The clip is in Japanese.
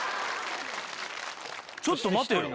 ちょっと待てよ。